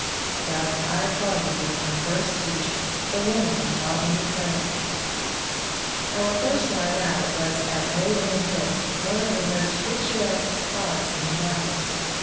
Thus I parted with my first teacher — the woman who taught me to pray! Our first night out was at Hole in the Hill, one of the most picturesque spots in the valley.